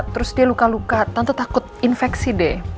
terus dia luka luka tentu takut infeksi deh